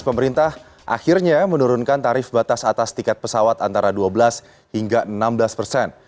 pemerintah akhirnya menurunkan tarif batas atas tiket pesawat antara dua belas hingga enam belas persen